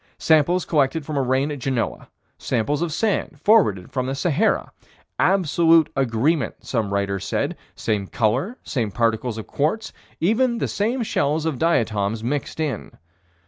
Samples collected from a rain at Genoa samples of sand forwarded from the Sahara "absolute agreement" some writers said: same color, same particles of quartz, even the same shells of diatoms mixed in.